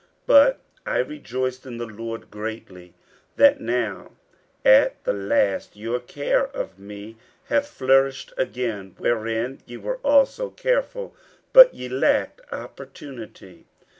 50:004:010 But I rejoiced in the Lord greatly, that now at the last your care of me hath flourished again; wherein ye were also careful, but ye lacked opportunity.